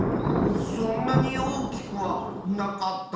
そんなにおおきくはなかった。